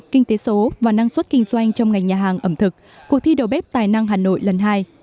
kinh tế số và năng suất kinh doanh trong ngành nhà hàng ẩm thực cuộc thi đầu bếp tài năng hà nội lần hai